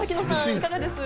いかがです？